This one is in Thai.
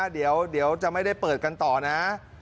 เดี๋ยวจะไม่ได้เปิดกันต่อนะ